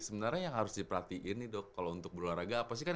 sebenarnya yang harus diperhatiin nih dok kalau untuk berolahraga apa sih kan